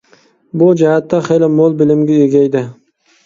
بۇ جەھەتتە خېلى مول بىلىمگە ئىگە ئىدى.